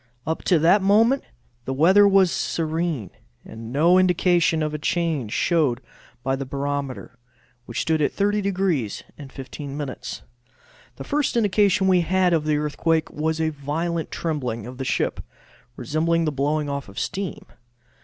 Up to that moment the weather was serene, and no indication of a change showed by the barometer, which stood at 30 degrees 15 minutes. The first indication we had of the earthquake was a violent trembling of the ship, resembling the blowing off of steam.